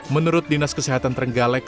menurut dinas kesehatan terenggalek